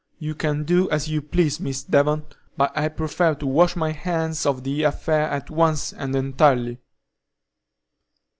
You can do as you please, Miss Devon, but I prefer to wash my hands of the affair at once and entirely."